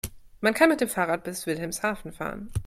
Man kann mit dem Fahrrad bis Wilhelmshaven fahren